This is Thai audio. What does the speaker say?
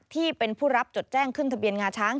ที่เป็นผู้รับจดแจ้งขึ้นทะเบียนงาช้าง